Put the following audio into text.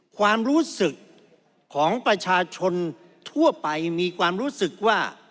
ความรู้สึกของประชาชนทั่วไปมีความรู้สึกว่า